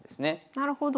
なるほど。